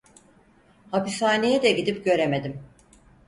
Hapishaneye de gidip göremedim.